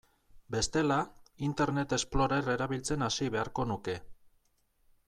Bestela, Internet Explorer erabiltzen hasi beharko nuke.